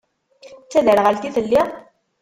D taderɣalt i telliḍ?